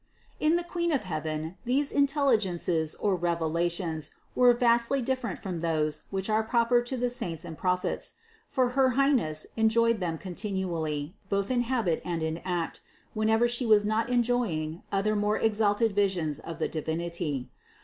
636. In the Queen of heaven these intelligences or rev elations were vastly different from those which are proper to the Saints and Prophets; for her Highness enjoyed them continually, both in habit and in act, whenever She was not enjoying other more exalted visions of the Divin ity.